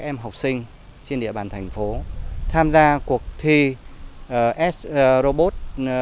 trường trung học phổ thông trên địa bàn thành phố tham gia cuộc thi s robot